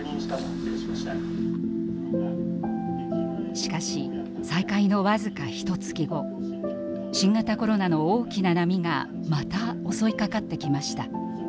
しかし再会の僅かひとつき後新型コロナの大きな波がまた襲いかかってきました。